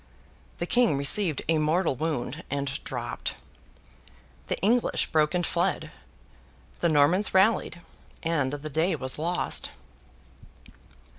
The King received a mortal wound, and dropped. The English broke and fled. The Normans rallied, and the day was lost.